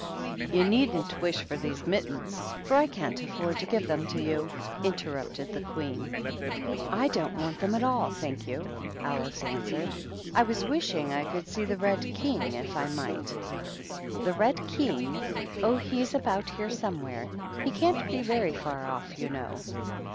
"You needn't wish for these mittens, for I can't afford to give them to you," interrupted the Queen. " I don't want them at all, thank you," AJice answered. " I was wishing I could see the Ked King if I might." *' The Red King ? Oh, he's about here some where; he can't be very far off, you know."